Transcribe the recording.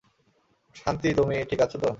শান্তি তুমি ঠিক আছতো?